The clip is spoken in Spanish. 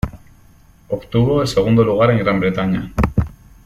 Obtuvo el segundo lugar en Gran Bretaña.